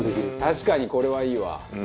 確かにこれはいいわ。